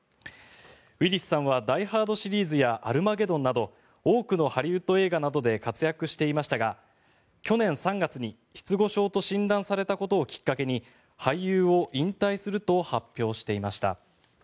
ウィリスさんは「ダイ・ハード」シリーズや「アルマゲドン」など多くのハリウッド映画などで活躍していましたが去年３月に、失語症と診断されたことをきっかけに俳優を引退すると発表していました。